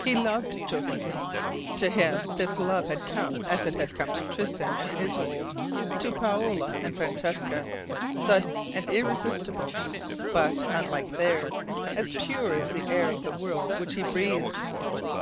He loved Josephine. To him this love had come as it had come to Tristan and Isolde, to Paola and Francesca sudden and irresistible, but, unlike theirs, as pure as the air of the world which he breathed.